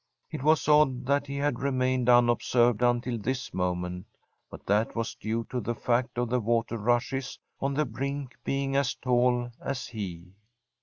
It was odd that he had remained unobserved until this moment, but that was due to the fact of the water rushes on the brink being as tall as he.